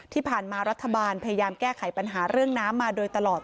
ที่ผ่านมารัฐบาลพยายามแก้ไขปัญหาเรื่องน้ำมาโดยตลอด